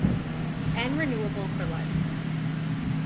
And renewable for life.